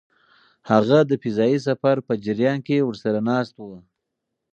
هغه د فضايي سفر په جریان کې ورسره ناست و.